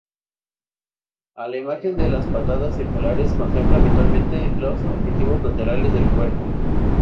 A la imagen de las patadas circulares, contempla habitualmente los objetivos laterales del cuerpo.